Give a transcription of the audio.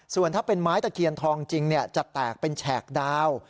ส่วนถ้าเป็นไม้ตะเคียนทองจริงจะแตกเป็นแฉกดาว